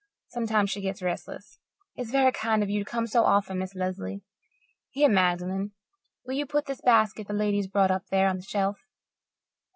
Sometimes she gets restless. It's very kind of you to come so often, Miss Lesley. Here, Magdalen, will you put this basket the lady's brought up there on the shelf?"